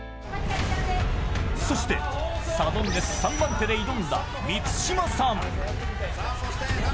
そして、サドンデス３番手で挑んだ満島さん。